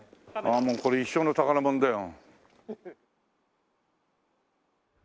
もうこれ一生の宝物だよ。